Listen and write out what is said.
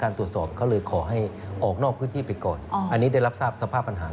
ตังหลวงบางส่วนที่โดนป้ายสีแล้วถูกเด้งนะค่ะ